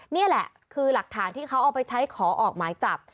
นี่แหละคือหลักฐานที่เขาเอาไปใช้ขอออกหมายจับ